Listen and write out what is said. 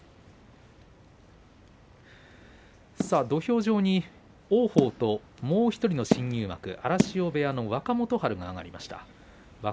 土俵上に王鵬ともう１人の新入幕、荒汐部屋の若元春が上がりました。